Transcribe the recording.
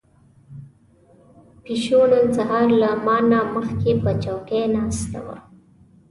پيشو نن سهار له ما نه مخکې په چوکۍ ناسته وه.